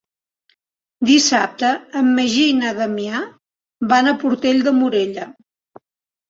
Dissabte en Magí i na Damià van a Portell de Morella.